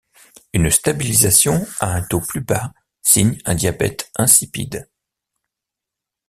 Une stabilisation à un taux plus bas signe un diabète insipide.